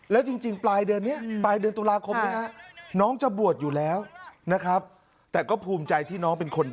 แล้วจริงจริงปลายเดือนนี้ปลายเดือน